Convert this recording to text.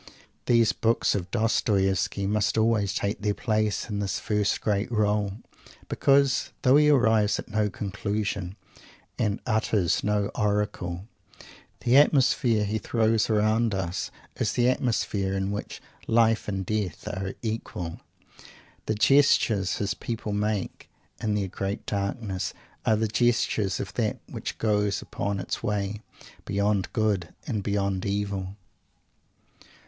These books of Dostoievsky must always take their place in this great roll, because, though he arrives at no conclusion and utters no oracle, the atmosphere he throws round us is the atmosphere in which Life and Death are "equal;" the gestures his people make, in their great darkness, are the gestures of that which goes upon its way, beyond Good and beyond Evil!